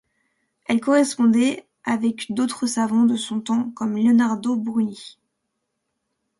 Elle correspondait avec d'autres savants de son temps comme Leonardo Bruni.